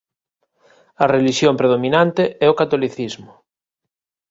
A relixión predominante é o catolicismo.